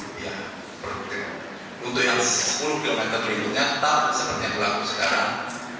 untuk yang sepuluh km ini nyata seperti yang berlaku sekarang